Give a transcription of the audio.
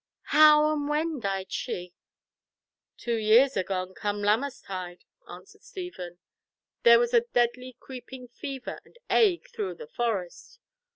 How and when died she?" "Two years agone come Lammastide," answered Stephen. "There was a deadly creeping fever and ague through the Forest.